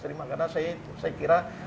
terima karena saya kira